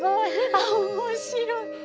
あっ面白い。